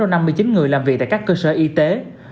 sáu bốn trăm năm mươi chín người làm việc tại các cơ sở y tế